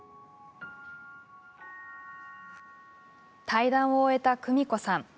対談を終えたクミコさん。